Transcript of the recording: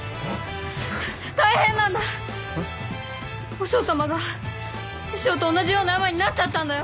和尚様が師匠と同じような病になっちゃったんだよ！